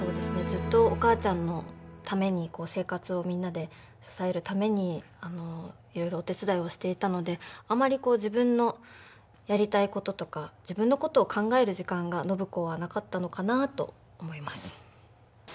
ずっとお母ちゃんのために生活をみんなで支えるためにいろいろお手伝いをしていたのであまりこう自分のやりたいこととか自分のことを考える時間が暢子はなかったのかなあと思います。